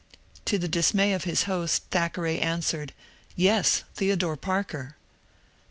To the dismay of his host Thackeray answered, " Yes, Theo dore Parker." Dr.